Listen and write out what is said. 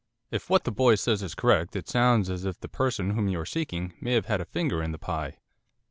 'If what the boy says is correct it sounds as if the person whom you are seeking may have had a finger in the pie.